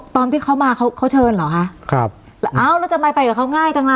ตอนที่เขามาเขาเขาเชิญเหรอคะครับแล้วทำไมไปกับเขาง่ายจังล่ะ